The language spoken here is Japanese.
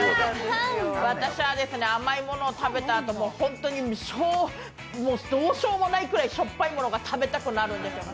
私は甘いものを食べたあと、本当にどうしようもないくらいしょっぱいものが食べたくなるんですよ。